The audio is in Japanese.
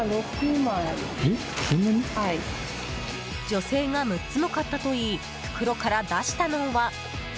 女性が６つも買ったといい袋から出したのは。